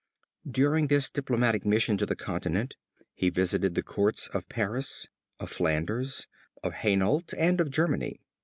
During this diplomatic mission to the continent he visited the courts of Paris, of Flanders, of Hainault and of Germany.